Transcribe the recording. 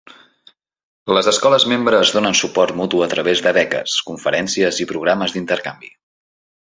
Les escoles membre es donen suport mutu a través de beques, conferències i programes d'intercanvi.